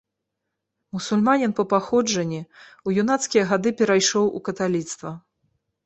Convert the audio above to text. Мусульманін па паходжанні, у юнацкія гады перайшоў у каталіцтва.